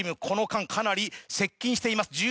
この間かなり接近しています。